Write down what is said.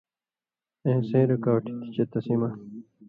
اېں سَیں رُکاوٹی تھی چے تسی مہ